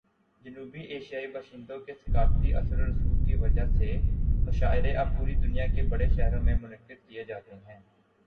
جنوبی ایشیائی باشندوں کے ثقافتی اثر و رسوخ کی وجہ سے، مشاعرے اب پوری دنیا کے بڑے شہروں میں منعقد کیے جاتے ہیں۔